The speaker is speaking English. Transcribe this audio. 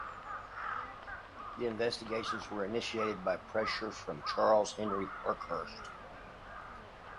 The investigations were initiated by pressure from Charles Henry Parkhurst.